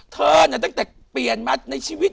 ตั้งแต่เปลี่ยนมาในชีวิต